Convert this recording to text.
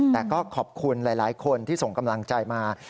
แต่ก็ขอบคุณหลายคนที่ส่งกำลังใจมา